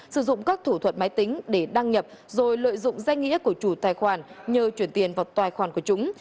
sử dụng các thủ thuật máy tính để đăng nhập rồi lợi dụng danh nghĩa của chủ tài khoản nhờ chuyển tiền vào tài khoản của chúng